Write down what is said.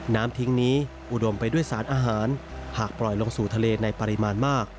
น้ำทิ้งนี้อุดมไปด้วยสารอาหารหากปล่อยลงสู่ทะเลในปริมาณมาก